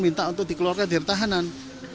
minta untuk dikeluarkan dari tahanan